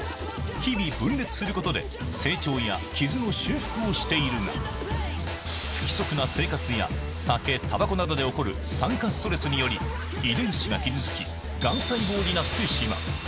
日々分裂することで、成長や傷の修復をしているが、不規則な生活や、酒、たばこなどで起こる酸化ストレスにより、遺伝子が傷つき、がん細胞になってしまう。